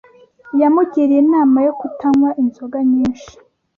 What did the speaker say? Yamugiriye inama yo kutanywa inzoga nyinshi